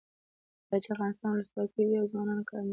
کله چې افغانستان کې ولسواکي وي ځوانان کار مومي.